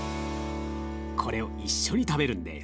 これを一緒に食べるんです。